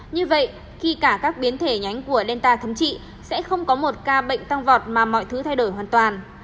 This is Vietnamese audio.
như vậy khi cả các biến thể nhánh của delta thấm trị sẽ không có một ca bệnh tăng vọt mà mọi thứ thay đổi hoàn toàn